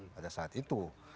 pada saat itu